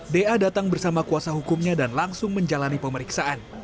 da datang bersama kuasa hukumnya dan langsung menjalani pemeriksaan